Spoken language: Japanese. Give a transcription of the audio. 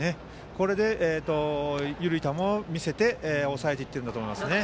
これで緩い球を見せて抑えていっているんだと思います。